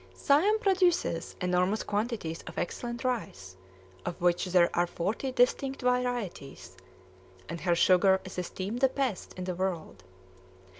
Siam produces enormous quantities of excellent rice, of which there are forty distinct varieties; and her sugar is esteemed the best in the world.